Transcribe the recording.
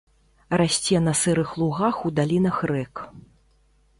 Расце на сырых лугах у далінах рэк.